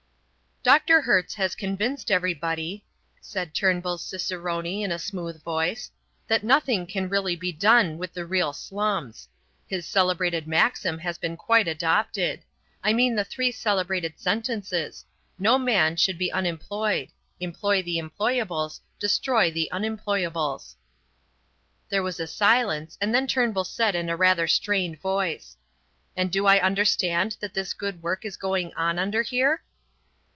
"Dr. Hertz has convinced everybody," said Turnbull's cicerone in a smooth voice, "that nothing can really be done with the real slums. His celebrated maxim has been quite adopted. I mean the three celebrated sentences: 'No man should be unemployed. Employ the employables. Destroy the unemployables.'" There was a silence, and then Turnbull said in a rather strained voice: "And do I understand that this good work is going on under here?"